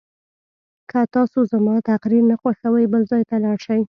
که تاسو زما تقریر نه خوښوئ بل ځای ته لاړ شئ.